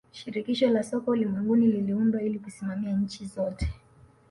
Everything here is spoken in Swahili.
shirikisho la soka ulimwenguni liliundwa ili kusimamia nchi zote